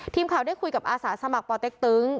ทีมข่าวได้คุยกับอาสาสมัครปเต็กตึง